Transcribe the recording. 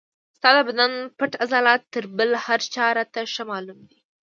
ستا د بدن پټ عضلات تر بل هر چا راته ښه معلوم دي.